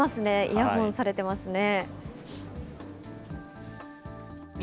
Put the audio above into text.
イヤホンされてますね。